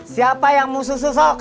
siapa yang musuh susok